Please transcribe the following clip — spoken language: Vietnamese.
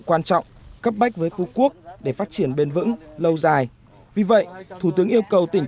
quan trọng cấp bách với phú quốc để phát triển bền vững lâu dài vì vậy thủ tướng yêu cầu tỉnh